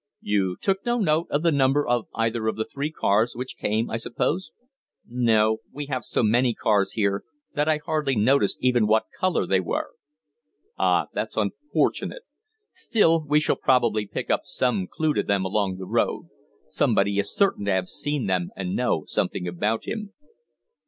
"You took no note of the number of either of the three cars which came, I suppose?" "No. We have so many cars here that I hardly noticed even what colour they were." "Ah! That's unfortunate. Still, we shall probably pick up some clue to them along the road. Somebody is certain to have seen them, or know something about them."